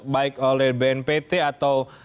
baik oleh bnpt atau